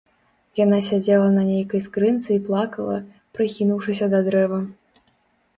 Яна сядзела на нейкай скрынцы і плакала, прыхінуўшыся да дрэва.